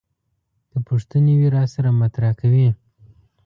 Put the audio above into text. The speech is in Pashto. که پوښتنې وي راسره مطرح کوي.